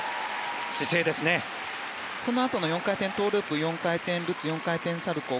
そのあとの４回転トウループ４回転ルッツ、４回転サルコウ。